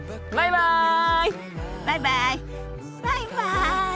バイバイ。